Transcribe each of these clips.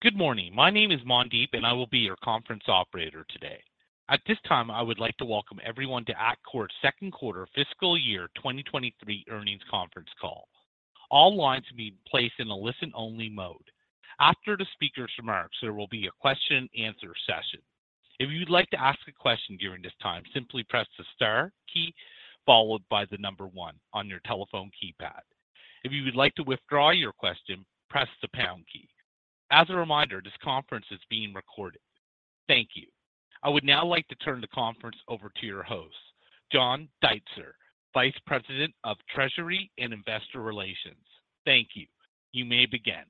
Good morning. My name is Mandeep, and I will be your conference operator today. At this time, I would like to welcome everyone to Atkore's second quarter fiscal year 2023 earnings conference call. All lines have been placed in a listen-only mode. After the speaker's remarks, there will be a question and answer session. If you'd like to ask a question during this time, simply press the star key followed by 1 on your telephone keypad. If you would like to withdraw your question, press the pound key. As a reminder, this conference is being recorded. Thank you. I would now like to turn the conference over to your host, John Deitzer, Vice President of Treasury and Investor Relations. Thank you. You may begin.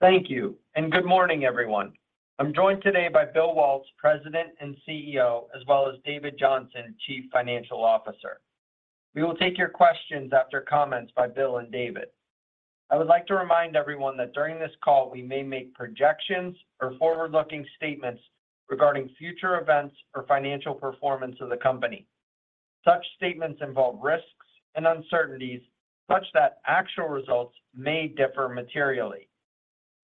Thank you. Good morning, everyone. I'm joined today by Bill Waltz, President and CEO, as well as David Johnson, Chief Financial Officer. We will take your questions after comments by Bill and David. I would like to remind everyone that during this call we may make projections or forward-looking statements regarding future events or financial performance of the company. Such statements involve risks and uncertainties such that actual results may differ materially.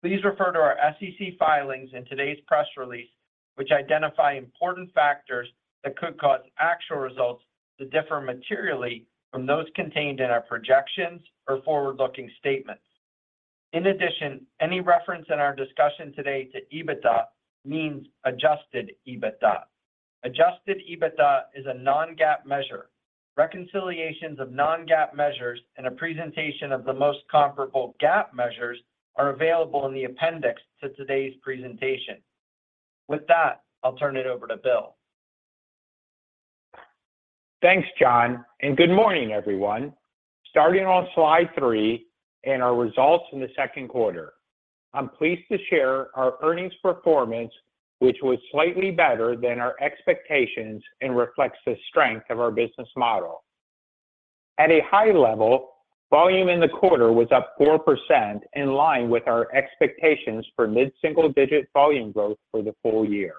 Please refer to our SEC filings in today's press release, which identify important factors that could cause actual results to differ materially from those contained in our projections or forward-looking statements. In addition, any reference in our discussion today to EBITDA means adjusted EBITDA. Adjusted EBITDA is a non-GAAP measure. Reconciliations of non-GAAP measures and a presentation of the most comparable GAAP measures are available in the appendix to today's presentation. With that, I'll turn it over to Bill. Thanks, John. Good morning, everyone. Starting on slide 3 in our results in the second quarter. I'm pleased to share our earnings performance, which was slightly better than our expectations and reflects the strength of our business model. At a high level, volume in the quarter was up 4% in line with our expectations for mid-single-digit volume growth for the full year.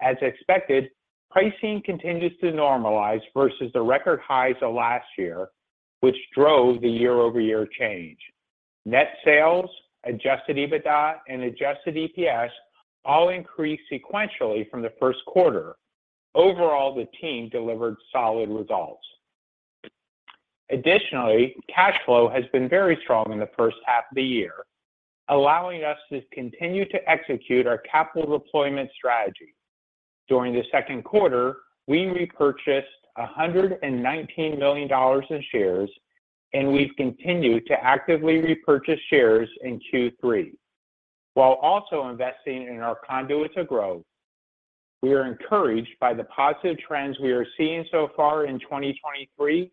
As expected, pricing continues to normalize versus the record highs of last year, which drove the year-over-year change. Net sales, adjusted EBITDA, and adjusted EPS all increased sequentially from the first quarter. Overall, the team delivered solid results. Additionally, cash flow has been very strong in the first half of the year, allowing us to continue to execute our capital deployment strategy. During the second quarter, we repurchased $119 million in shares. We've continued to actively repurchase shares in Q3 while also investing in our conduit to growth. We are encouraged by the positive trends we are seeing so far in 2023.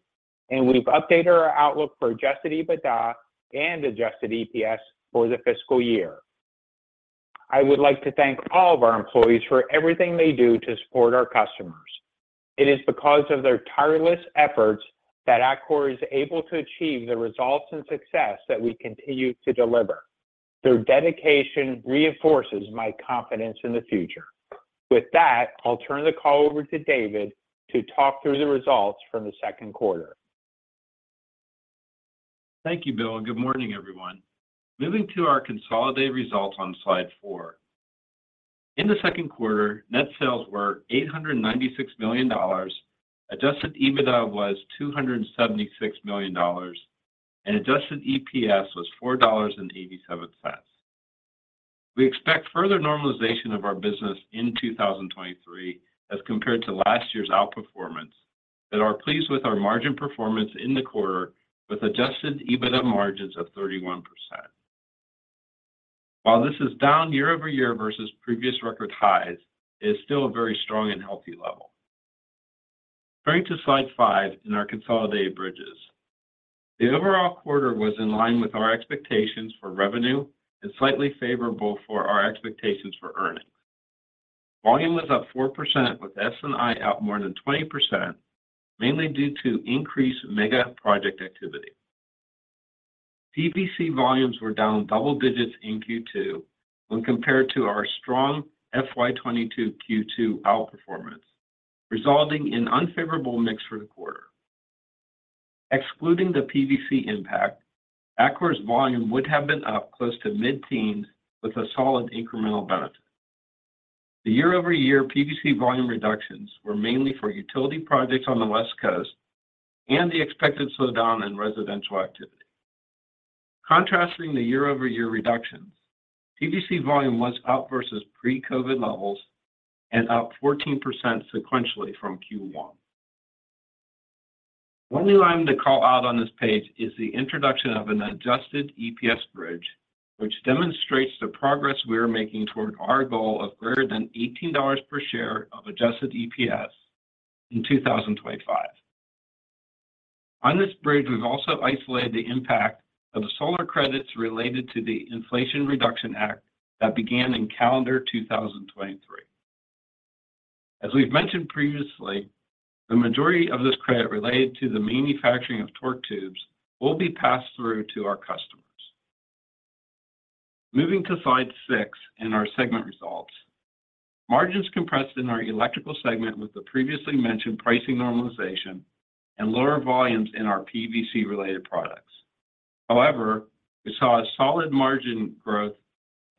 We've updated our outlook for adjusted EBITDA and adjusted EPS for the fiscal year. I would like to thank all of our employees for everything they do to support our customers. It is because of their tireless efforts that Atkore is able to achieve the results and success that we continue to deliver. Their dedication reinforces my confidence in the future. With that, I'll turn the call over to David to talk through the results from the second quarter. Thank you, Bill. Good morning, everyone. Moving to our consolidated results on slide four. In the second quarter, net sales were $896 million. Adjusted EBITDA was $276 million, and adjusted EPS was $4.87. We expect further normalization of our business in 2023 as compared to last year's outperformance but are pleased with our margin performance in the quarter with adjusted EBITDA margins of 31%. While this is down year-over-year versus previous record highs, it's still a very strong and healthy level. Turning to slide five in our consolidated bridges. The overall quarter was in line with our expectations for revenue and slightly favorable for our expectations for earnings. Volume was up 4% with S&I out more than 20%, mainly due to increased mega project activity. PVC volumes were down double digits in Q2 when compared to our strong FY2022 Q2 outperformance, resulting in unfavorable mix for the quarter. Excluding the PVC impact, Atkore's volume would have been up close to mid-teens with a solid incremental benefit. The year-over-year PVC volume reductions were mainly for utility projects on the West Coast and the expected slowdown in residential activity. Contrasting the year-over-year reductions, PVC volume was up versus pre-COVID levels and up 14% sequentially from Q1. One new item to call out on this page is the introduction of an adjusted EPS bridge, which demonstrates the progress we are making toward our goal of greater than $18 per share of adjusted EPS in 2025. On this bridge, we've also isolated the impact of the solar credits related to the Inflation Reduction Act that began in calendar 2023. As we've mentioned previously, the majority of this credit related to the manufacturing of torque tubes will be passed through to our customers. Moving to slide 6 in our segment results. Margins compressed in our electrical segment with the previously mentioned pricing normalization and lower volumes in our PVC related products. We saw a solid margin growth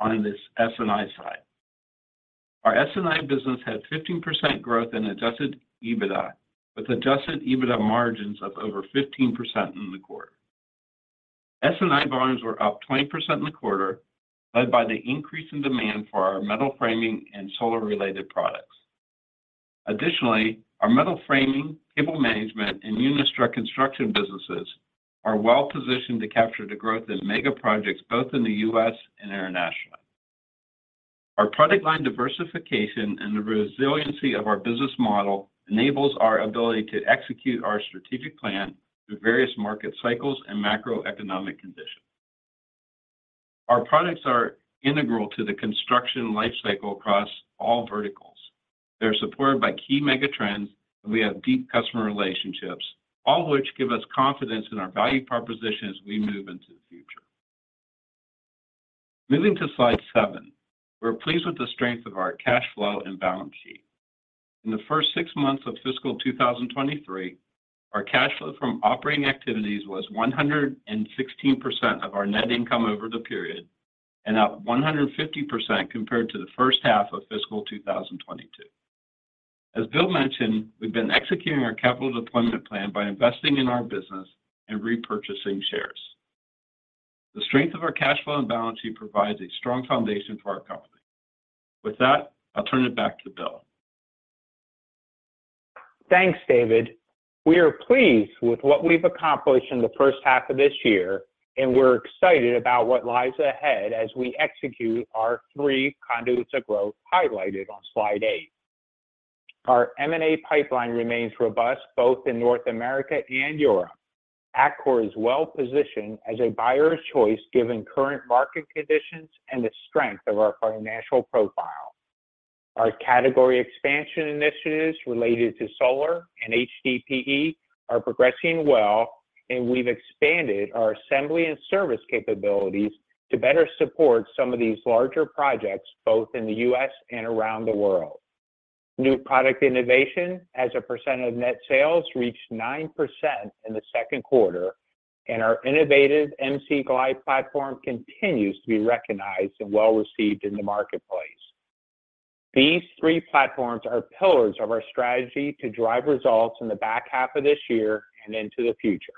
on this S&I side. Our S&I business had 15% growth in adjusted EBITDA, with adjusted EBITDA margins of over 15% in the quarter. S&I volumes were up 20% in the quarter, led by the increase in demand for our metal framing and solar related products. Our metal framing, cable management, and Unistrut construction businesses are well positioned to capture the growth in mega projects both in the U.S. and internationally. Our product line diversification and the resiliency of our business model enables our ability to execute our strategic plan through various market cycles and macroeconomic conditions. Our products are integral to the construction life cycle across all verticals. They're supported by key mega trends, and we have deep customer relationships, all which give us confidence in our value proposition as we move into the future. Moving to slide 7. We're pleased with the strength of our cash flow and balance sheet. In the first 6 months of fiscal 2023, our cash flow from operating activities was 116% of our net income over the period, and up 150% compared to the first half of fiscal 2022. As Bill mentioned, we've been executing our capital deployment plan by investing in our business and repurchasing shares. The strength of our cash flow and balance sheet provides a strong foundation for our company. With that, I'll turn it back to Bill. Thanks, David. We are pleased with what we've accomplished in the first half of this year. We're excited about what lies ahead as we execute our three conduits of growth highlighted on slide 8. Our M&A pipeline remains robust both in North America and Europe. Atkore is well-positioned as a buyer's choice given current market conditions and the strength of our financial profile. Our category expansion initiatives related to solar and HDPE are progressing well. We've expanded our assembly and service capabilities to better support some of these larger projects, both in the U.S. and around the world. New product innovation as a percent of net sales reached 9% in the second quarter. Our innovative MC Glide platform continues to be recognized and well-received in the marketplace. These three platforms are pillars of our strategy to drive results in the back half of this year and into the future.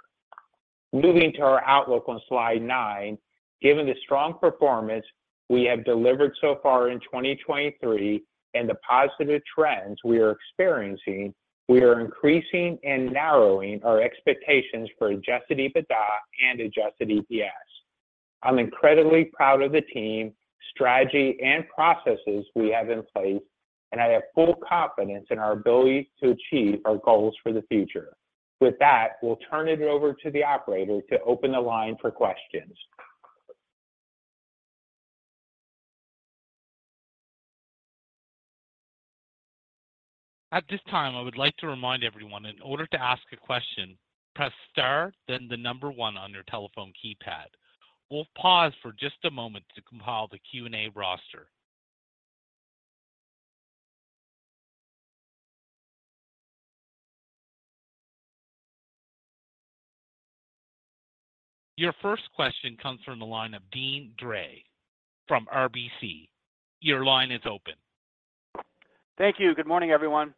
Moving to our outlook on slide 9. Given the strong performance we have delivered so far in 2023 and the positive trends we are experiencing, we are increasing and narrowing our expectations for adjusted EBITDA and adjusted EPS. I'm incredibly proud of the team, strategy, and processes we have in place. I have full confidence in our ability to achieve our goals for the future. With that, we'll turn it over to the operator to open the line for questions. At this time, I would like to remind everyone in order to ask a question, press star, then 1 on your telephone keypad. We'll pause for just a moment to compile the Q&A roster. Your first question comes from the line of Deane Dray from RBC. Your line is open. Thank you. Good morning, everyone.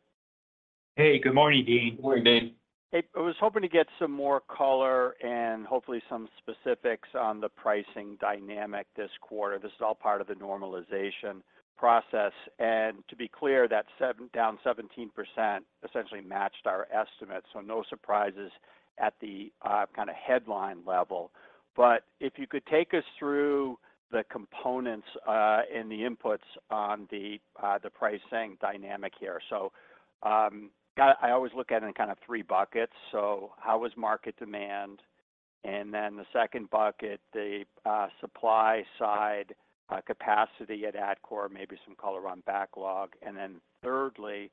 Hey, good morning, Deane. Morning, Deane. Hey, I was hoping to get some more color and hopefully some specifics on the pricing dynamic this quarter. This is all part of the normalization process. To be clear, that down 17% essentially matched our estimate, so no surprises at the kinda headline level. If you could take us through the components and the inputs on the pricing dynamic here. I always look at it in kind of 3 buckets. How was market demand? The 2nd bucket, the supply side, capacity at Atkore, maybe some color on backlog. 3rdly,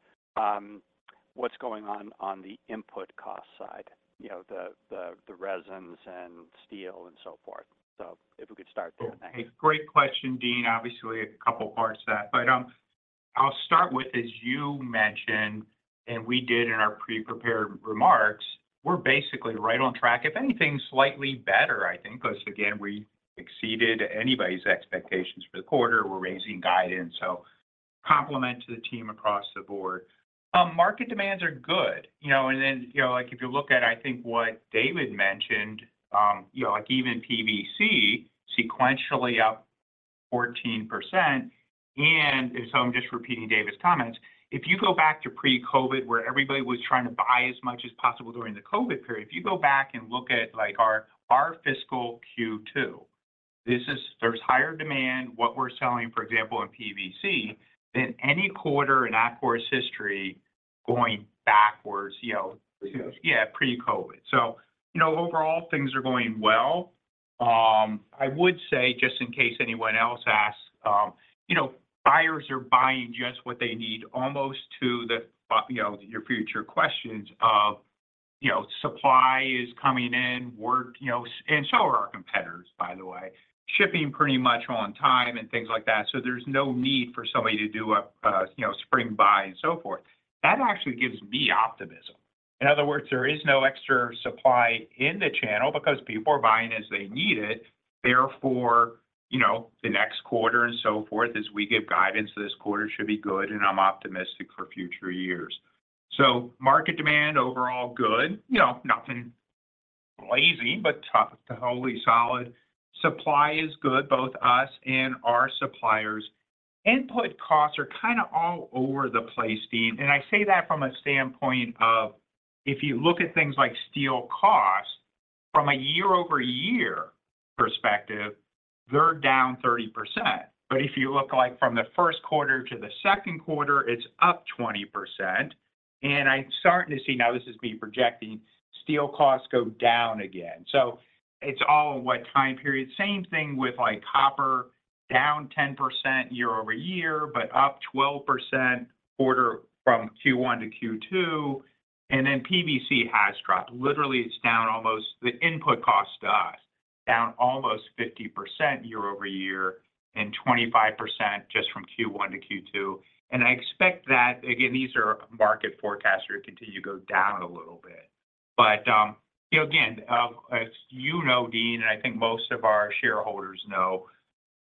what's going on on the input cost side? You know, the resins and steel and so forth. If we could start there, thanks. Great question, Deane. Obviously a couple parts to that. I'll start with, as you mentioned, and we did in our pre-prepared remarks, we're basically right on track, if anything, slightly better, I think, because again, we exceeded anybody's expectations for the quarter. We're raising guidance. Compliment to the team across the board. Market demands are good. You know, then, you know, like if you look at, I think what David mentioned, you know, like even PVC sequentially up 14%. If, so I'm just repeating David's comments, if you go back to pre-COVID, where everybody was trying to buy as much as possible during the COVID period, if you go back and look at like our fiscal Q2, there's higher demand, what we're selling, for example, in PVC, than any quarter in Atkore's history going backwards, you know. Pre-COVID... yeah, pre-COVID. You know, overall things are going well. I would say, just in case anyone else asks, you know, buyers are buying just what they need almost to the, you know, your future questions of. You know, supply is coming in, work, you know... So are our competitors, by the way. Shipping pretty much on time and things like that, so there's no need for somebody to do a, you know, spring buy and so forth. That actually gives me optimism. In other words, there is no extra supply in the channel because people are buying as they need it. You know, the next quarter and so forth as we give guidance to this quarter should be good, and I'm optimistic for future years. Market demand overall good. You know, nothing lazy, but totally solid. Supply is good, both us and our suppliers. Input costs are kinda all over the place, Deane Dray. I say that from a standpoint of if you look at things like steel costs, from a year-over-year perspective, they're down 30%. If you look like from the first quarter to the second quarter, it's up 20%. I'm starting to see, now this is me projecting, steel costs go down again. It's all in what time period. Same thing with like copper, down 10% year-over-year, but up 12% quarter from Q1-Q2. PVC has dropped. Literally, the input cost to us, down almost 50% year-over-year and 25% just from Q1-Q2. I expect that, again, these are market forecasts here, continue to go down a little bit. You know, again, as you know, Deane, and I think most of our shareholders know,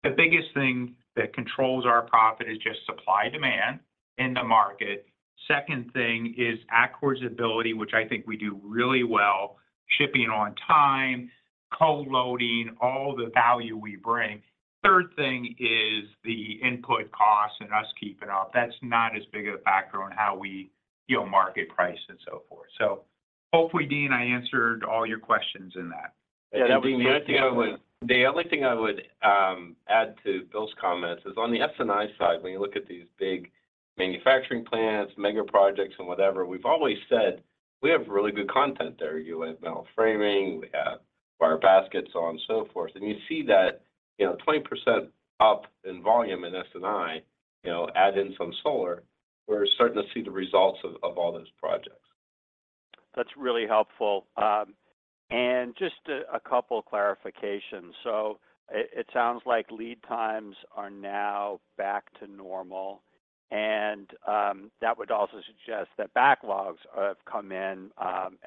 the biggest thing that controls our profit is just supply-demand in the market. Second thing is Atkore's ability, which I think we do really well, shipping on time, co-loading, all the value we bring. Third thing is the input costs and us keeping up. That's not as big of a factor on how we, you know, market price and so forth. Hopefully, Deane, I answered all your questions in that. Yeah, Deane, the only thing I would add to Bill's comments is on the S&I side, when you look at these big manufacturing plants, mega projects and whatever, we've always said we have really good content there. You have metal framing, we have wire baskets, so on and so forth. You see that, you know, 20% up in volume in S&I, you know, add in some solar, we're starting to see the results of all those projects. That's really helpful. Just a couple clarifications. It sounds like lead times are now back to normal, and that would also suggest that backlogs have come in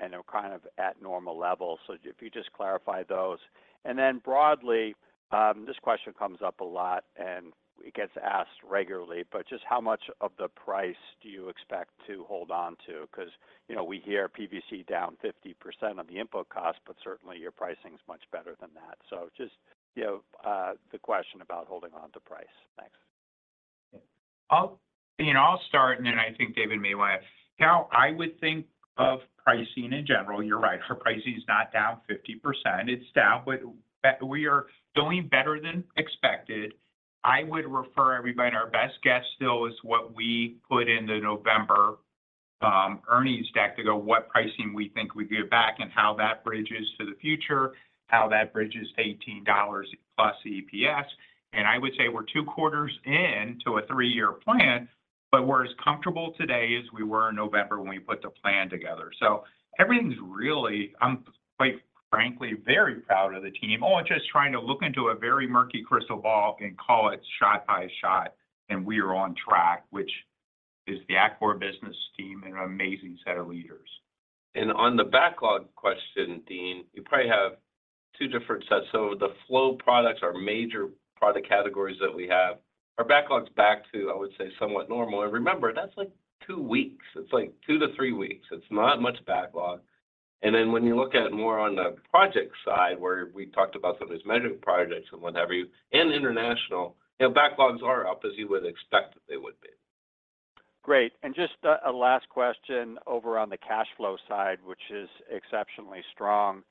and are kind of at normal levels. If you just clarify those. Then broadly, this question comes up a lot and it gets asked regularly, but just how much of the price do you expect to hold on to? Cause, you know, we hear PVC down 50% on the input cost, but certainly your pricing's much better than that. Just, you know, the question about holding onto price. Thanks. Deane, I'll start and then I think David may weigh in. How I would think of pricing in general, you're right, our pricing is not down 50%. It's down, but we are doing better than expected. I would refer everybody to our best guess still is what we put in the November earnings deck to go what pricing we think we could get back and how that bridges to the future, how that bridges to $18 plus EPS. I would say we're 2 quarters in to a 3-year plan, but we're as comfortable today as we were in November when we put the plan together. Everything's really. I'm, quite frankly, very proud of the team on just trying to look into a very murky crystal ball and call it shot by shot, and we are on track, which is the Atkore business team and an amazing set of leaders. On the backlog question, Deane, you probably have two different sets. The flow products are major product categories that we have. Our backlog's back to, I would say, somewhat normal. Remember, that's like two weeks. It's like two to three weeks. It's not much backlog. Then when you look at more on the project side, where we talked about some of these megaprojects and whatever, and international, you know, backlogs are up as you would expect that they would be. Great. just a last question over on the cash flow side, which is exceptionally strong.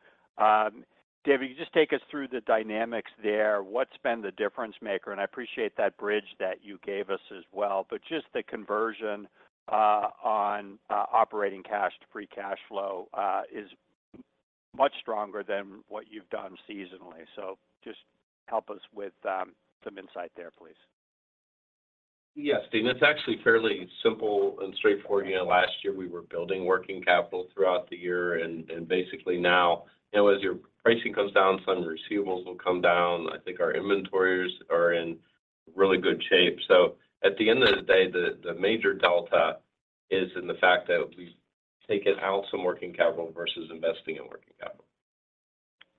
David, can you just take us through the dynamics there? What's been the difference maker? I appreciate that bridge that you gave us as well, but just the conversion on operating cash to free cash flow is much stronger than what you've done seasonally. just help us with some insight there, please. Yes, Deane. It's actually fairly simple and straightforward. You know, last year we were building working capital throughout the year, and basically now, you know, as your pricing comes down, some receivables will come down. I think our inventories are in really good shape. At the end of the day, the major delta is in the fact that we've taken out some working capital versus investing in working capital.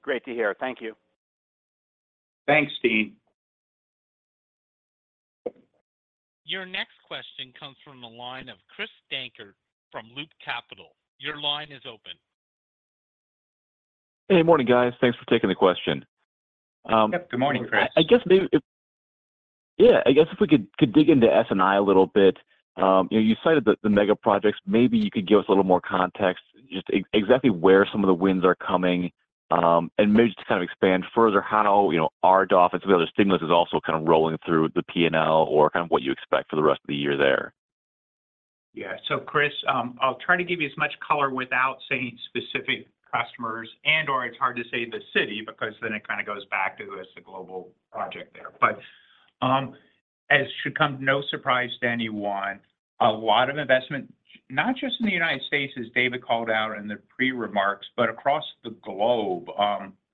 Great to hear. Thank you. Thanks, Deane. Your next question comes from the line of Chris Dankert from Loop Capital. Your line is open. Hey, morning guys. Thanks for taking the question. Yep, good morning, Chris. I guess maybe if we could dig into S&I a little bit. You know, you cited the mega projects. Maybe you could give us a little more context, just exactly where some of the wins are coming. Maybe just to kind of expand further how, you know, RDOF and some of the other stimulus is also kind of rolling through the P&L or kind of what you expect for the rest of the year there. Yeah. Chris, I'll try to give you as much color without saying specific customers and/or it's hard to say the city, because then it kind of goes back to who has the global project there. As should come to no surprise to anyone, a lot of investment, not just in the United States as David Johnson called out in the pre-remarks, but across the globe,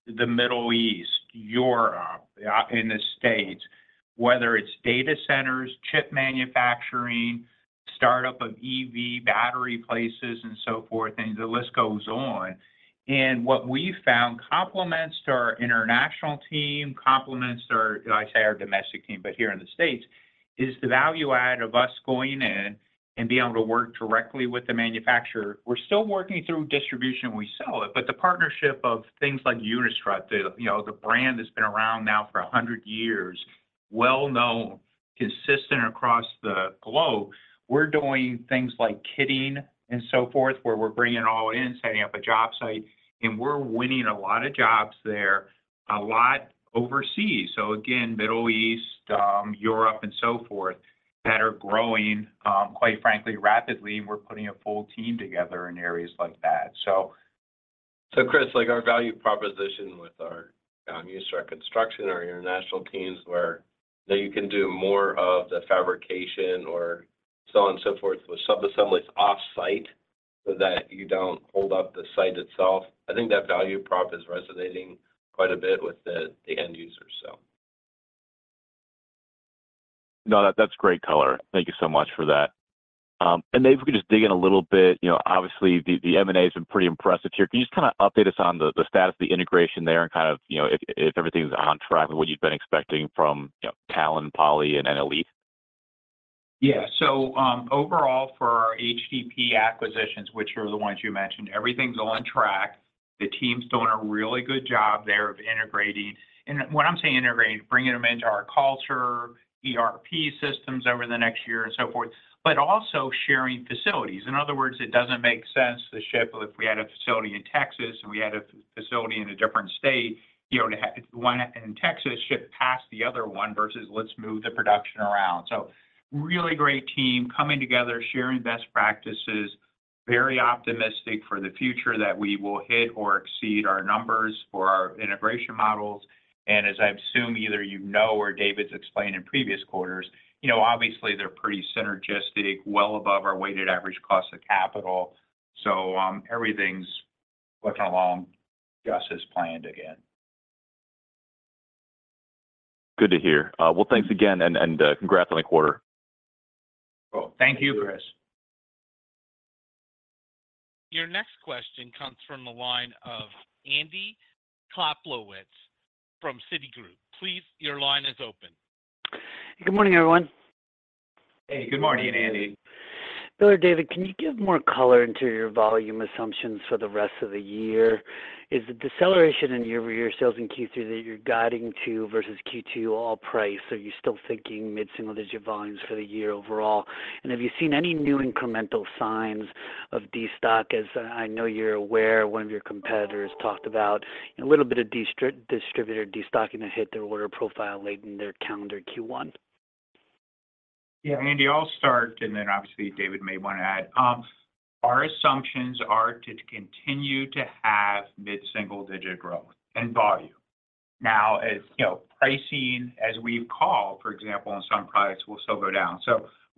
the Middle East, Europe, in the States, whether it's data centers, chip manufacturing, startup of EV battery places and so forth, and the list goes on. What we found compliments to our international team, compliments to our, I'd say, our domestic team, but here in the States, is the value add of us going in and being able to work directly with the manufacturer. We're still working through distribution, we sell it, but the partnership of things like Unistrut, the, you know, the brand has been around now for 100 years. Well-known, consistent across the globe. We're doing things like kitting and so forth, where we're bringing it all in, setting up a job site, and we're winning a lot of jobs there, a lot overseas. Again, Middle East, Europe and so forth, that are growing, quite frankly, rapidly, and we're putting a full team together in areas like that. Chris, like, our value proposition with our Unistrut construction, our international teams, where now you can do more of the fabrication or so on and so forth with sub-assemblies offsite so that you don't hold up the site itself. I think that value prop is resonating quite a bit with the end user, so. No, that's great color. Thank you so much for that. Dave, if we could just dig in a little bit, you know, obviously the M&A's been pretty impressive here. Can you just kinda update us on the status of the integration there and kind of, you know, if everything's on track and what you've been expecting from, you know, Talon, Poly and Elite? Overall for our HTP acquisitions, which are the ones you mentioned, everything's on track. The team's doing a really good job there of integrating. When I'm saying integrating, bringing them into our culture, ERP systems over the next year and so forth, but also sharing facilities. In other words, it doesn't make sense to ship if we had a facility in Texas and we had a facility in a different state, you know, to one in Texas ship past the other one versus let's move the production around. Really great team coming together, sharing best practices, very optimistic for the future that we will hit or exceed our numbers for our integration models. As I assume either you know or David's explained in previous quarters, you know, obviously they're pretty synergistic, well above our weighted average cost of capital. Everything's looking along just as planned again. Good to hear. well, thanks again and congrats on the quarter. Cool. Thank you, Chris. Thank you. Your next question comes from the line of Andy Kaplowitz from Citigroup. Please, your line is open. Good morning, everyone. Hey, good morning, Andy. Bill or David, can you give more color into your volume assumptions for the rest of the year? Is the deceleration in year-over-year sales in Q3 that you're guiding to versus Q2 all price? Are you still thinking mid-single digit volumes for the year overall? Have you seen any new incremental signs of destock? As I know you're aware, one of your competitors talked about a little bit of distributor destocking that hit their order profile late in their calendar Q1. Yeah, Andy, I'll start and then obviously David may wanna add. Our assumptions are to continue to have mid-single-digit growth and volume. As you know, pricing as we've called, for example, on some products will still go down.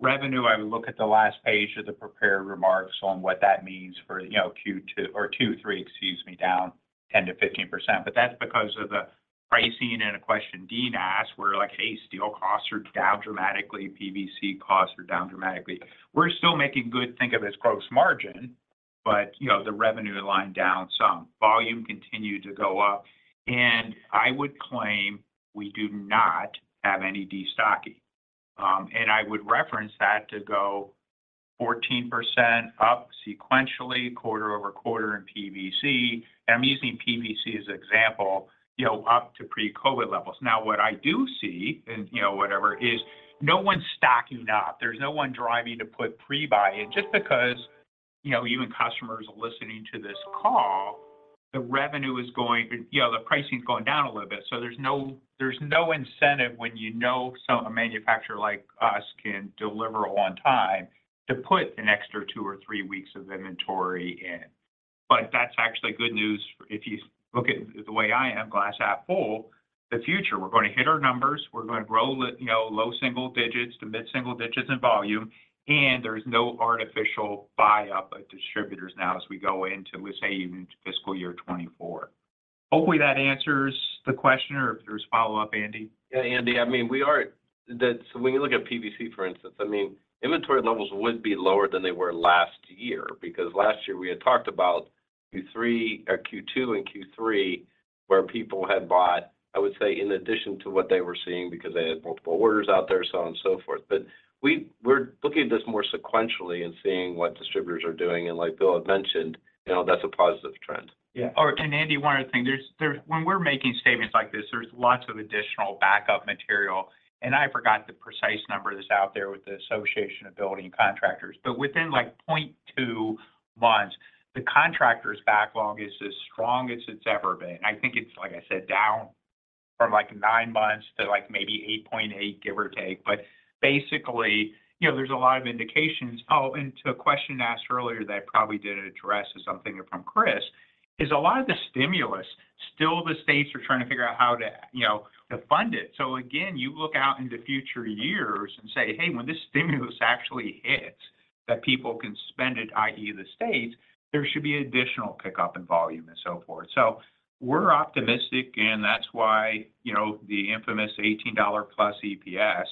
Revenue, I would look at the last page of the prepared remarks on what that means for, you know, Q2 or Q3, excuse me, down 10%-15%, but that's because of the pricing and a question Dean asked where like, "Hey, steel costs are down dramatically, PVC costs are down dramatically." We're still making good, think of as gross margin, you know, the revenue line down some. Volume continued to go up. I would claim we do not have any destocking. I would reference that to go 14% up sequentially quarter-over-quarter in PVC, and I'm using PVC as an example, you know, up to pre-COVID levels. What I do see and, you know, whatever, is no one's stocking up. There's no one driving to put pre-buy in just because, you know, you and customers are listening to this call, the revenue is going, you know, the pricing's going down a little bit. There's no incentive when you know a manufacturer like us can deliver on time to put an extra two or three weeks of inventory in. That's actually good news if you look at it the way I am, glass half full. The future, we're gonna hit our numbers, we're gonna grow it, you know, low single digits to mid-single digits in volume. There's no artificial buy-up at distributors now as we go into, let's say even fiscal year 2024. Hopefully, that answers the question, or if there's follow-up, Andy. Yeah, Andy, I mean, we are when you look at PVC for instance, I mean, inventory levels would be lower than they were last year, because last year we had talked about Q3 or Q2 and Q3 where people had bought, I would say, in addition to what they were seeing because they had multiple orders out there, so on and so forth. We're looking at this more sequentially and seeing what distributors are doing, and like Bill had mentioned, you know, that's a positive trend. Yeah. Andy, one other thing. There's when we're making statements like this, there's lots of additional backup material. I forgot the precise number that's out there with the Associated Builders and Contractors. Within like 0.2 months, the contractors backlog is as strong as it's ever been. I think it's, like I said, down from like 9 months to like maybe 8.8 months, give or take. Basically, you know, there's a lot of indications... To a question asked earlier that I probably didn't address is something from Chris, a lot of the stimulus, still the states are trying to figure out how to, you know, to fund it. Again, you look out into future years and say, "Hey, when this stimulus actually hits that people can spend it, i.e.... The states, there should be additional pickup in volume and so forth. We're optimistic, and that's why, you know, the infamous $18+ EPS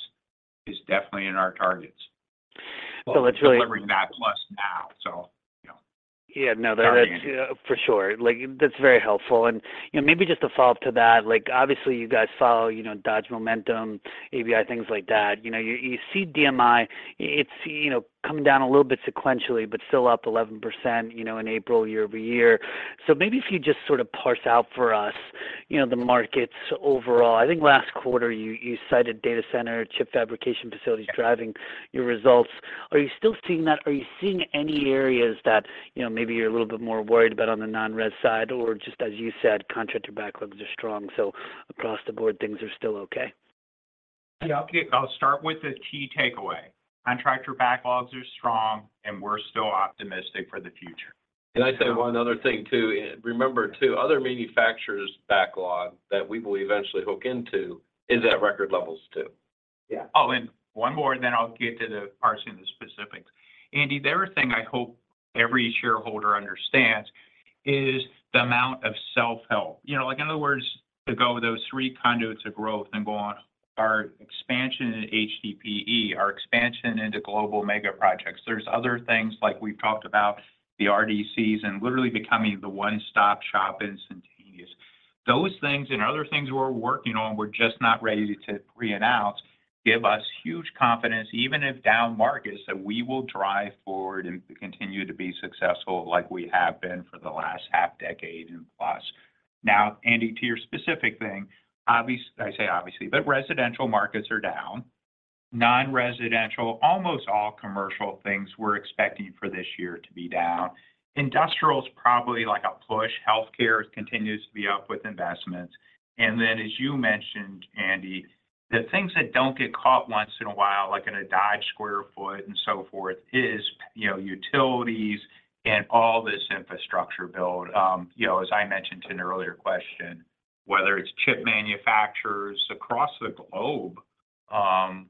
is definitely in our targets. let's really-. We're delivering that plus now, so you know. Yeah, no. Sorry, Andy. for sure. Like, that's very helpful. Maybe just a follow-up to that, like obviously you guys follow, you know, Dodge Momentum, ABI, things like that. You know, you see DMI, it's, you know, coming down a little bit sequentially, but still up 11%, you know, in April year-over-year. Maybe if you just sort of parse out for us, you know, the markets overall. I think last quarter you cited data center, chip fabrication facilities driving your results. Are you still seeing that? Are you seeing any areas that, you know, maybe you're a little bit more worried about on the non-res side? Just as you said, contractor backlogs are strong, so across the board things are still okay. Yeah. Okay. I'll start with the key takeaway. contractor backlogs are strong, and we're still optimistic for the future. Can I say one other thing too? Remember too, other manufacturers' backlog that we will eventually hook into is at record levels too. Yeah. Oh, one more and then I'll get to the parsing of the specifics. Andy, the other thing I hope every shareholder understands is the amount of self-help. You know, like in other words, to go those three conduits of growth and go on our expansion in HDPE, our expansion into global mega projects. There's other things like we've talked about the RSCs and literally becoming the one-stop shop instantaneous. Those things and other things we're working on, we're just not ready to pre-announce, give us huge confidence even if down markets that we will drive forward and continue to be successful like we have been for the last half decade and plus. Andy, to your specific thing, I say obviously, but residential markets are down. Non-residential, almost all commercial things we're expecting for this year to be down. Industrial's probably like a push. Healthcare continues to be up with investments. As you mentioned, Andy, the things that don't get caught once in a while, like in a Dodge sq ft and so forth is, you know, utilities and all this infrastructure build. You know, as I mentioned in an earlier question, whether it's chip manufacturers across the globe,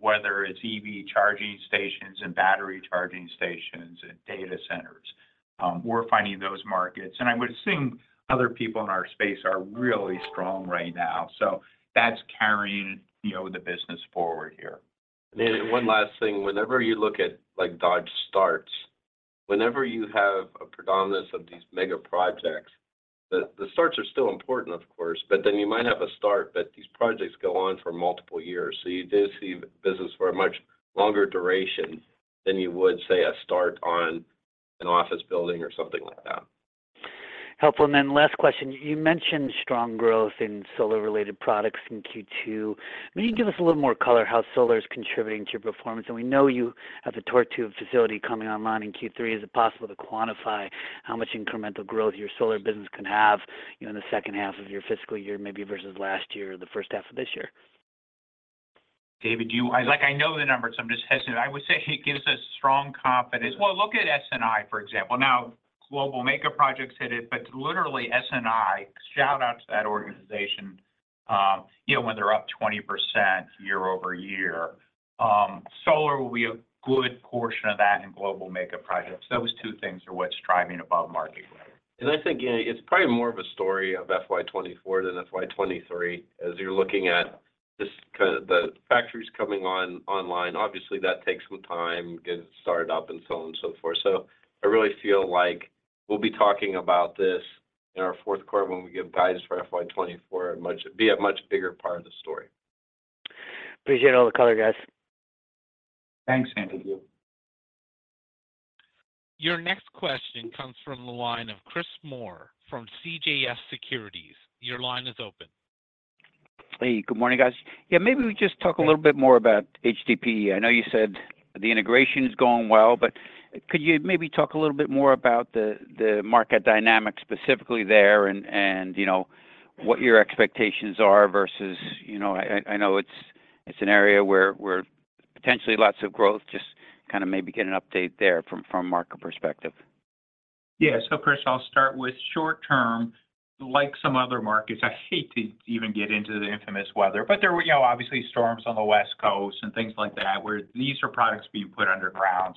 whether it's EV charging stations and battery charging stations and data centers, we're finding those markets. I would assume other people in our space are really strong right now. That's carrying, you know, the business forward here. One last thing. Whenever you look at like Dodge starts, whenever you have a predominance of these mega projects, the starts are still important of course, but then you might have a start, but these projects go on for multiple years. You do see business for a much longer duration than you would say, a start on an office building or something like that. Helpful. Last question. You mentioned strong growth in solar related products in Q2. Can you give us a little more color how solar is contributing to your performance? We know you have a Torque facility coming online in Q3. Is it possible to quantify how much incremental growth your solar business can have, you know, in the second half of your fiscal year, maybe versus last year or the first half of this year? David, I like, I know the numbers, I'm just hesitant. I would say it gives us strong confidence. Well, look at S&I for example. global mega projects hit it, but literally S&I, shout out to that organization, you know, when they're up 20% year-over-year. solar will be a good portion of that in global mega projects. Those two things are what's driving above market growth. I think, you know, it's probably more of a story of FY 2024 than FY 2023 as you're looking at this. The factories coming online, obviously that takes some time, getting started up and so on and so forth. I really feel like we'll be talking about this in our fourth quarter when we give guidance for FY 2024. It'd be a much bigger part of the story. Appreciate all the color guys. Thanks, Andy. Thank you. Your next question comes from the line of Chris Moore from CJS Securities. Your line is open. Hey, good morning guys. Maybe we just talk a little bit more about HDPE. I know you said the integration is going well, but could you maybe talk a little bit more about the market dynamics specifically there and, you know, what your expectations are versus, I know it's an area where potentially lots of growth, just kind of maybe get an update there from a market perspective? Yeah. Chris, I'll start with short term. Like some other markets, I hate to even get into the infamous weather, but there were, you know, obviously storms on the West Coast and things like that where these are products being put underground.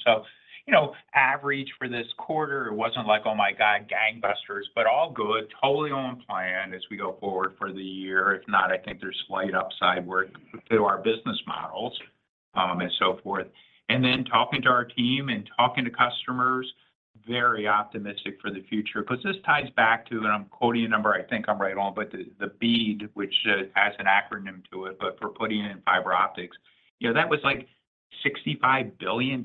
You know, average for this quarter, it wasn't like, oh my god, gangbusters, but all good. Totally on plan as we go forward for the year. If not, I think there's slight upside where through our business models and so forth. Talking to our team and talking to customers, very optimistic for the future. Because this ties back to, and I'm quoting a number I think I'm right on, but the bead, which has an acronym to it, but for putting it in fiber optics, you know, that was like $65 billion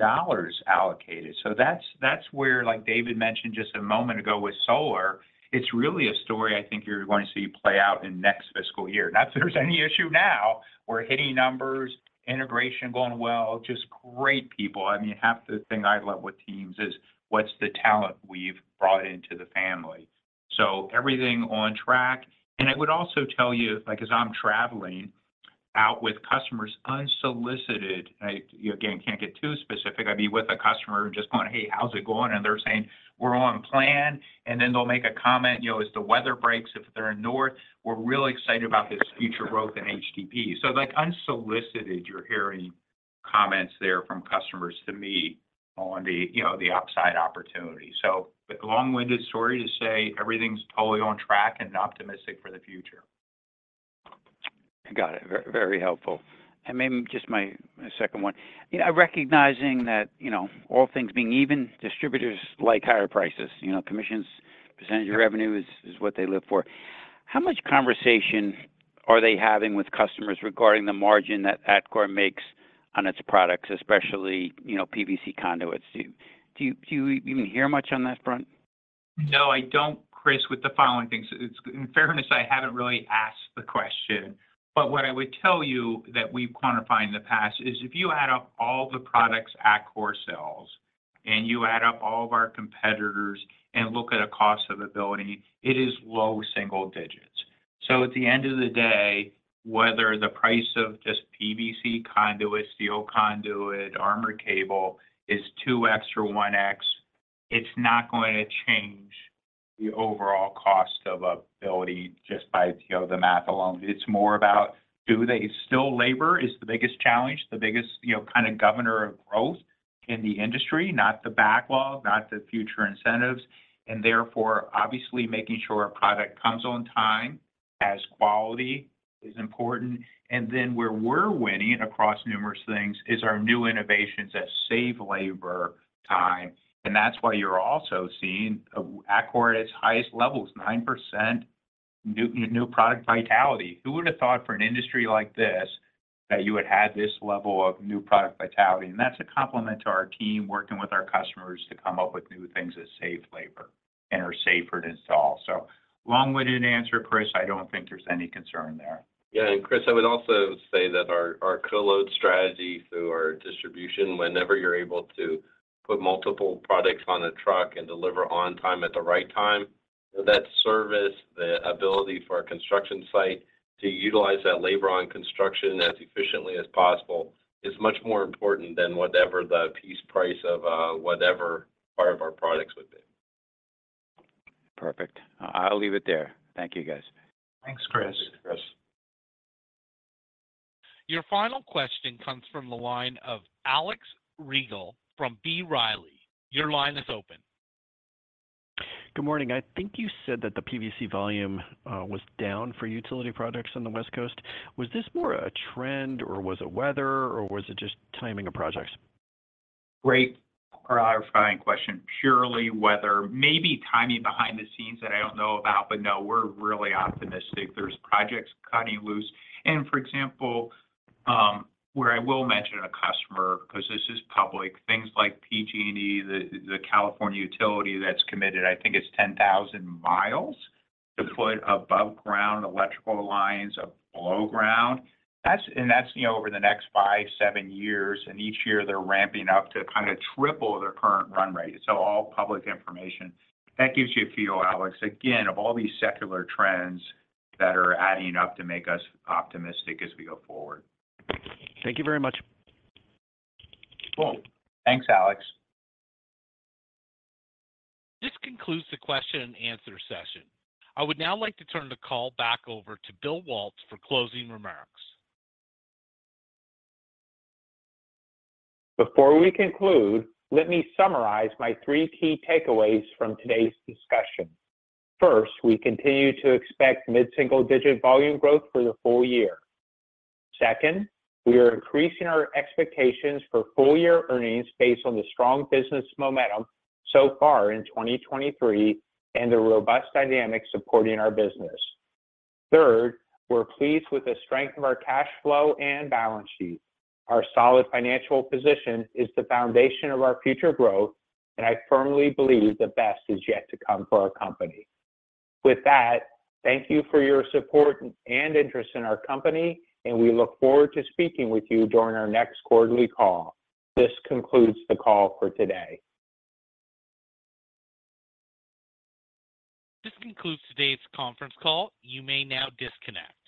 allocated. That's where, like David mentioned just a moment ago with solar, it's really a story I think you're going to see play out in next fiscal year. Not that there's any issue now. We're hitting numbers, integration going well, just great people. I mean, half the thing I love with teams is what's the talent we've brought into the family. Everything on track. I would also tell you, like as I'm traveling out with customers unsolicited. I, again, can't get too specific. I'd be with a customer just going, "Hey, how's it going?" They're saying, "We're on plan." Then they'll make a comment, you know, as the weather breaks, if they're north, "We're really excited about this future growth in HDPE." Like, unsolicited, you're hearing comments there from customers to me on the, you know, the upside opportunity. long-winded story to say everything's totally on track and optimistic for the future. Got it. Very, very helpful. Maybe just my second one. You know, recognizing that, you know, all things being even, distributors like higher prices, you know, commissions, percentage of revenue is what they live for. How much conversation are they having with customers regarding the margin that Atkore makes on its products, especially, you know, PVC conduits? Do you even hear much on that front? No, I don't, Chris, with the following things. In fairness, I haven't really asked the question, but what I would tell you that we've quantified in the past is if you add up all the products Atkore sells and you add up all of our competitors and look at a cost of availability, it is low single digits. At the end of the day, whether the price of just PVC conduit, steel conduit, armor cable is 2x, 1x, it's not going to change the overall cost of availability just by, you know, the math alone. It's more about labor is the biggest challenge. The biggest, you know, kind of governor of growth in the industry, not the backlog, not the future incentives, and therefore obviously making sure product comes on time, has quality is important. Where we're winning across numerous things is our new innovations that save labor time. That's why you're also seeing Atkore at its highest levels, 9% new product vitality. Who would have thought for an industry like this that you would have this level of new product vitality? That's a compliment to our team working with our customers to come up with new things that save labor and are safer to install. Long-winded answer, Chris. I don't think there's any concern there. Yeah. Chris, I would also say that our co-load strategy through our distribution, whenever you're able to put multiple products on a truck and deliver on time at the right time, that service, the ability for a construction site to utilize that labor on construction as efficiently as possible is much more important than whatever the piece price of whatever part of our products would be. Perfect. I'll leave it there. Thank you, guys. Thanks, Chris. Thanks, Chris. Your final question comes from the line of Alex Rygiel from B. Riley. Your line is open. Good morning. I think you said that the PVC volume was down for utility projects on the West Coast. Was this more a trend or was it weather or was it just timing of projects? Great clarifying question. Purely weather. Maybe timing behind the scenes that I don't know about, but no, we're really optimistic. There's projects cutting loose. For example, where I will mention a customer because this is public, things like PG&E, the California utility that's committed, I think it's 10,000 miles to put above ground electrical lines of below ground. That's, you know, over the next 5 years, 7 years, and each year they're ramping up to kind of triple their current run rate. All public information. That gives you a feel, Alex, again, of all these secular trends that are adding up to make us optimistic as we go forward. Thank you very much. Cool. Thanks, Alex. This concludes the question and answer session. I would now like to turn the call back over to Bill Waltz for closing remarks. Before we conclude, let me summarize my three key takeaways from today's discussion. First, we continue to expect mid-single-digit volume growth for the full year. Second, we are increasing our expectations for full year earnings based on the strong business momentum so far in 2023 and the robust dynamic supporting our business. Third, we're pleased with the strength of our cash flow and balance sheet. Our solid financial position is the foundation of our future growth, and I firmly believe the best is yet to come for our company. With that, thank you for your support and interest in our company, and we look forward to speaking with you during our next quarterly call. This concludes the call for today. This concludes today's conference call. You may now disconnect.